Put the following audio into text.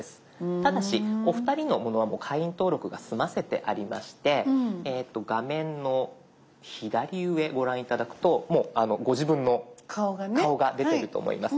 ただしお二人のものはもう会員登録が済ませてありまして画面の左上ご覧頂くともうご自分の顔が出てると思います。